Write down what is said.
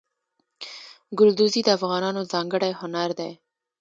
ګلدوزي د افغانانو ځانګړی هنر دی.